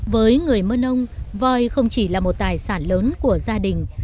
với người mưa nông voi không chỉ là một tài sản lớn của gia đình